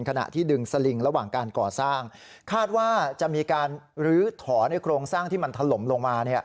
ขณะที่ดึงสลิงระหว่างการก่อสร้างคาดว่าจะมีการลื้อถอนในโครงสร้างที่มันถล่มลงมา